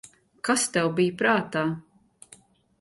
Kas tev bija prātā?